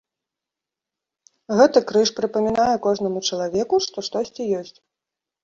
Гэты крыж прыпамінае кожнаму чалавеку, што штосьці ёсць.